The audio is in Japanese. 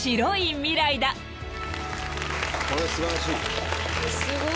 これ素晴らしい。